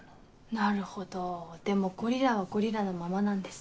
なるほどでもゴリラはゴリラのままなんですね。